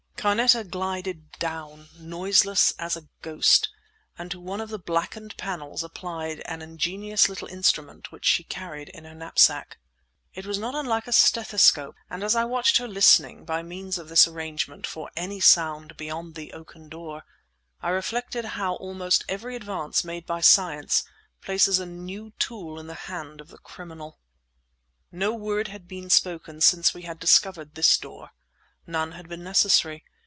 Carneta glided down, noiseless as a ghost, and to one of the blackened panels applied an ingenious little instrument which she carried in her knapsack. It was not unlike a stethoscope; and as I watched her listening, by means of this arrangement, for any sound beyond the oaken door, I reflected how almost every advance made by science places a new tool in the hand of the criminal. No word had been spoken since we had discovered this door; none had been necessary.